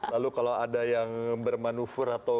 lalu kalau ada yang bermanufur atau berpengaruh